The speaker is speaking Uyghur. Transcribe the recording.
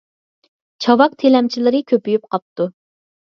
چاۋاك تىلەمچىلىرى كۆپىيىپ قاپتۇ.